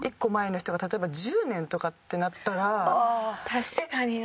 確かにな。